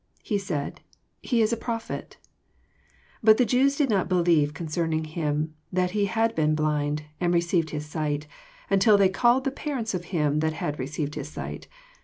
He said. He is a prophet. 18 But the Jews did not believe oonoerning him, that he had been blind, and received his sight, until they called the parents of him that had received his sight.